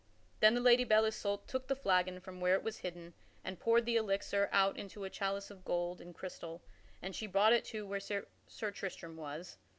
Then the Lady Belle Isoult took the flagon from where it was hidden, and poured the elixir out into a chalice of gold and crystal and she brought it to where Sir Tristram was.